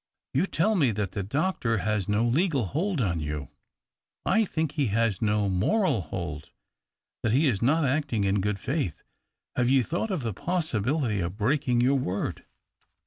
You tell me that the doctor has no legal hold on you. I think he has no moral hold — that he is not acting in good faith. Have you thought of the possi bility of — of breaking your word